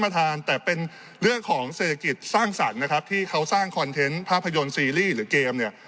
ท่านแต่เป็นเรื่องของเศรษฐกิจสร้างสรรค์นะครับที่เขาสร้างคอนเทนต์ภาพยนตร์ซีรีส์หรือเกมเนี่ย